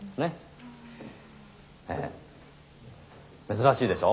珍しいでしょ？